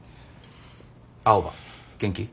青羽元気？